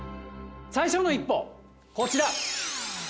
最初の一歩、こちら。